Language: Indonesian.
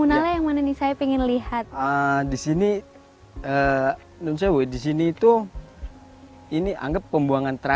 dulu diolah sama air